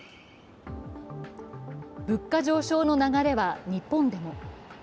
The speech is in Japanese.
物価上昇の流れは日本でも。